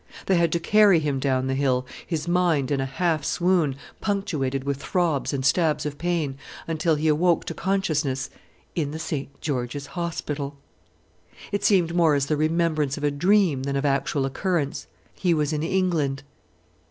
They had to carry him down the hill, his mind in a half swoon punctuated with throbs and stabs of pain, until he awoke to consciousness in the St. George's Hospital. It seemed more as the remembrance of a dream than of actual occurrence. He was in England.